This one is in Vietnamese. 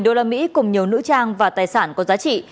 hai usd cùng nhiều nữ trang và tài sản có giá trị